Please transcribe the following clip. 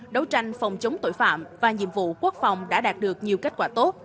đấu tranh phòng chống tội phạm và nhiệm vụ quốc phòng đã đạt được nhiều kết quả tốt